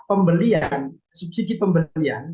pembelian subsidi pembelian